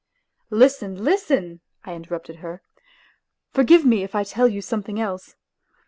" Listen, listen !" I interrupted her. " Forgive me if I tell you something else.